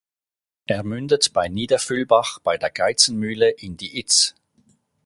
Er mündet bei Niederfüllbach bei der Geizen-Mühle in die Itz.